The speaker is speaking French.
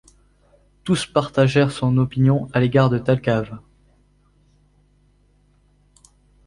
Tous partagèrent son opinion à l’égard de Thalcave.